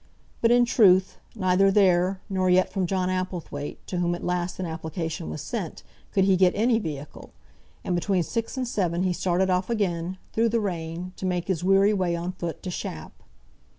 But, in truth, neither there, nor yet from John Applethwaite, to whom at last an application was sent, could he get any vehicle; and between six and seven he started off again, through the rain, to make his weary way on foot to Shap.